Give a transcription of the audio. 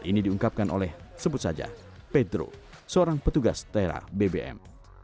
ini diungkapkan oleh sebut saja pedro seorang petugas tera bbm